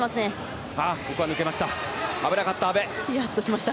ここは抜けました。